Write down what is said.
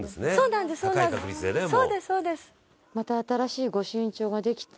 また新しい御朱印帳ができた。